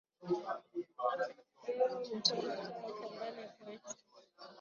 Eoo hachuna taa chumbani kwechu